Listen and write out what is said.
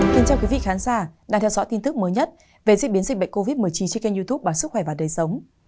chào các khán giả đã theo dõi tin tức mới nhất về dịch biến dịch bệnh covid một mươi chín trên kênh youtube bản sức khỏe và đời sống